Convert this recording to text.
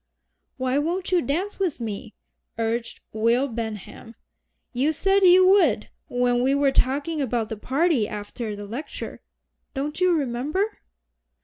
"Why won't you dance with me?" urged Will Benham; "you said you would when we were talking about the party after the Lecture don't you remember?"